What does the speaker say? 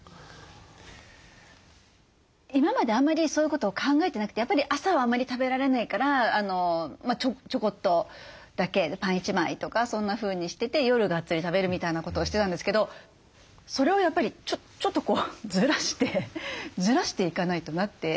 今まであんまりそういうことを考えてなくてやっぱり朝はあまり食べられないからちょこっとだけパン１枚とかそんなふうにしてて夜がっつり食べるみたいなことをしてたんですけどそれをやっぱりちょっとずらしてずらしていかないとなって思いました。